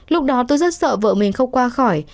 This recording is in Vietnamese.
lúc đó tôi rất sợ vợ mình không qua khỏi